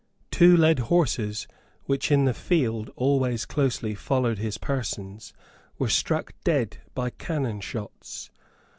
Two led horses, which in the field always closely followed his person, were struck dead by cannon shots.